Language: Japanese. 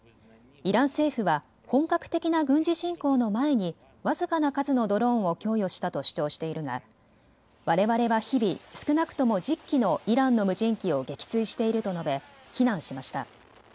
イラン政府は本格的な軍事侵攻の前に僅かな数のドローンを供与したと主張しているがわれわれは日々少なくとも１０機のイランの無人機を撃墜していると述べ非難しました。